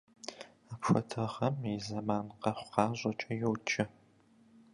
Апхуэдэ гъэм и зэман къэхъу-къащӀэкӀэ йоджэ.